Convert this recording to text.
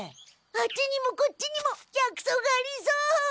あっちにもこっちにも薬草がありそう！